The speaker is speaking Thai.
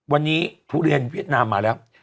วันนี้ทุเรียนเวียดนามมาแล้ว